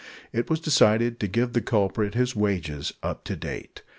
It was decided to give the culprit his wages up to date.